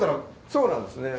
そうなんですね。